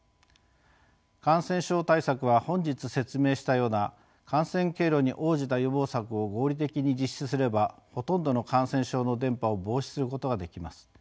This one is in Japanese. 感染症対策は本日説明したような感染経路に応じた予防策を合理的に実施すればほとんどの感染症の伝播を防止することができます。